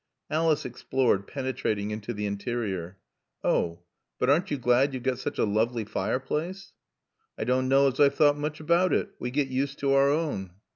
Alice explored, penetrating into the interior. "Oh but aren't you glad you've got such a lovely fireplace?" "I doan' knaw as I've thought mooch about it. We get used to our own."